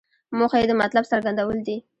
موخه یې د مطلب څرګندول دي.